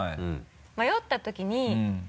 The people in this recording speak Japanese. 迷ったときに。